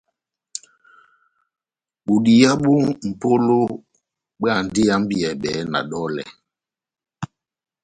Bodiya bó mʼpola bóhándi ihambiyɛbɛ na dɔlɛ.